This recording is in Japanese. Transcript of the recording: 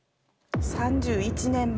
３１年前。